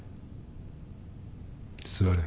座れ。